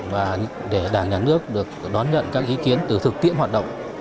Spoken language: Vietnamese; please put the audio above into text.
và để đảng nhà nước được đón nhận các ý kiến từ thực tiễn hoạt động